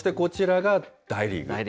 そしてこちらが大リーグ。